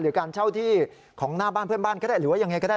การเช่าที่ของหน้าบ้านเพื่อนบ้านก็ได้หรือว่ายังไงก็ได้